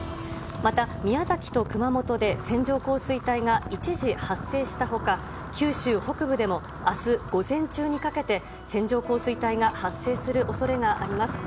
また宮崎と熊本で線状降水帯が一時発生した他九州北部でも明日午前中にかけて線状降水帯が発生する恐れがあります。